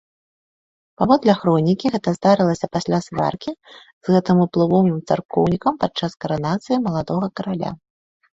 Паводле хронікі, гэта здарылася пасля сваркі з гэтым уплывовым царкоўнікам падчас каранацыі маладога караля.